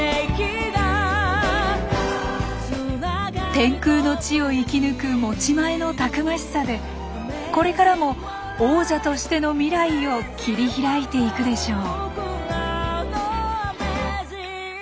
天空の地を生き抜く持ち前のたくましさでこれからも王者としての未来を切り開いていくでしょう。